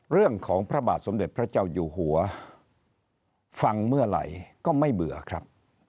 พระบาทสมเด็จพระเจ้าอยู่หัวฟังเมื่อไหร่ก็ไม่เบื่อครับ